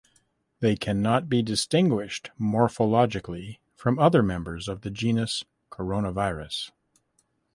They cannot be distinguished morphologically from other members of the genus "Coronavirus".